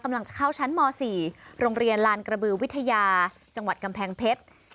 กำลังจะเข้าชั้นม๔โรงเรียนลานกระบือวิทยาจังหวัดกำแพงเพชร